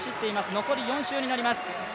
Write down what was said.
残り４周になります。